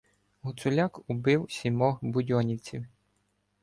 Гуцулякубив сімох будьонівців.